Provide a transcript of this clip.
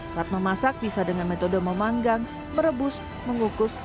saat memasak bisa dengan metode memanggang merebus mengukus